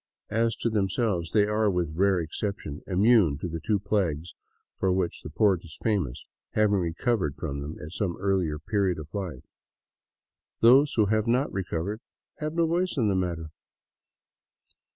As to themselves, they are, with rare exceptions, immune to the two plagues for which the port is famous, having recovered from them at some earlier period of life. Those who have not recovered have no voice in the matter.